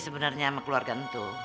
sebenernya sama keluarga itu